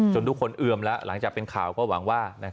ทุกคนเอือมแล้วหลังจากเป็นข่าวก็หวังว่า